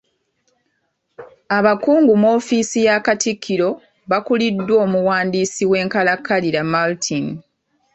Abakungu mu ofiisi ya katikkiro baakuliddwa omuwandiisi w’enkalakkalira Maltin.